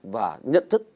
và nhận thức